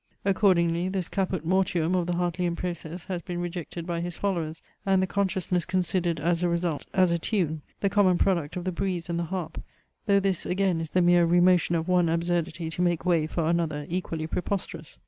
Accordingly, this caput mortuum of the Hartleian process has been rejected by his followers, and the consciousness considered as a result, as a tune, the common product of the breeze and the harp though this again is the mere remotion of one absurdity to make way for another, equally preposterous.